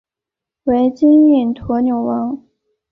为金印驼纽王。